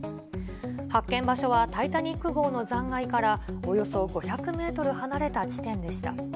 発見場所は、タイタニック号の残骸からおよそ５００メートル離れた地点でした。